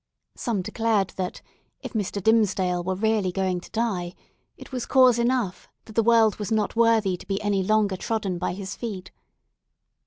Some declared, that if Mr. Dimmesdale were really going to die, it was cause enough that the world was not worthy to be any longer trodden by his feet.